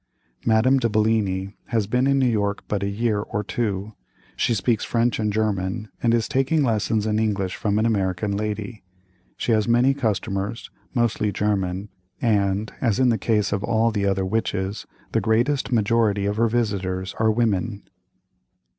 Madame de Bellini has been in New York but a year or two; she speaks French and German, and is taking lessons in English from an American lady. She has many customers, mostly German, and, as in the case of all the other witches, the greatest majority of her visitors are women.